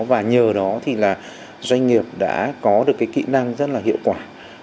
và nhờ đó doanh nghiệp đã có được kỹ năng rất hiệu quả